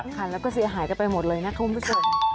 คันแล้วก็เสียหายกันไปหมดเลยนะคุณผู้ชม